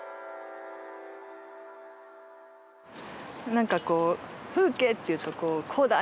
何かこう風景っていうとこうこうだ！